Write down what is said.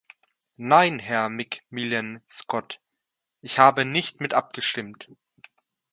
Nein, Herr McMillan-Scott, ich habe nicht mit abgestimmt.